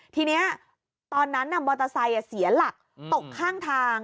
ทีนี้ตอนนั้นมอเตอร์ไซค์เสียหลักตกข้างทาง